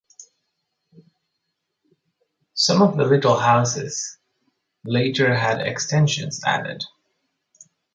Some of the little houses later had extensions added.